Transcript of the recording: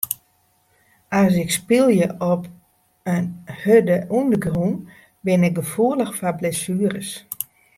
As ik spylje op in hurde ûndergrûn bin ik gefoelich foar blessueres.